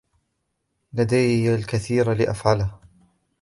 لدي الكثير لأفعله.